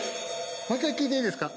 もう１回聞いていいですか？